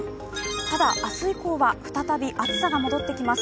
ただ、明日以降は再び暑さが戻ってきます。